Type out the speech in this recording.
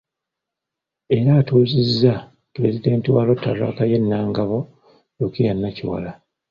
Era atuuzizza Pulezidenti wa Rotaract ye Nangabo, Lukiya Nakiwala.